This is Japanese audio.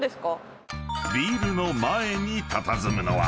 ［ビルの前にたたずむのは］